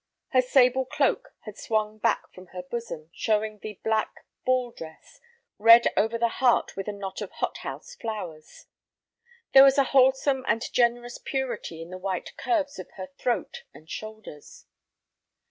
Her sable cloak had swung back from her bosom, showing the black ball dress, red over the heart with a knot of hothouse flowers. There was a wholesome and generous purity in the white curves of her throat and shoulders.